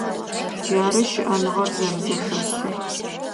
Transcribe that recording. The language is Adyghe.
Джары щыӏэныгъэр зэрэзэхэлъыр.